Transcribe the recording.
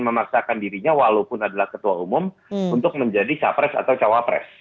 memaksakan dirinya walaupun adalah ketua umum untuk menjadi capres atau cawapres